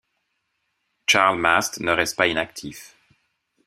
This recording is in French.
Charles Mast ne reste pas inactif.